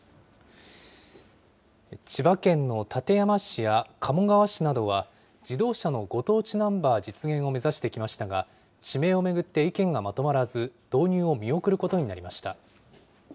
千葉県の館山市や鴨川市などは、自動車のご当地ナンバー実現を目指してきましたが、地名を巡って意見がまとまらず、導入を見送ることになりました。